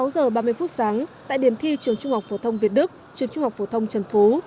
sáu giờ ba mươi phút sáng tại điểm thi trường trung học phổ thông việt đức trường trung học phổ thông trần phú